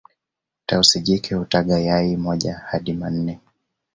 tausi jike hutaga yai moja hadi manne